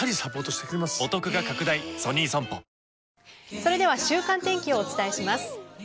それでは週間天気をお伝えします。